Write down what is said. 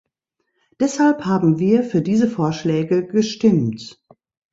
Deshalb haben wir für diese Vorschläge gestimmt.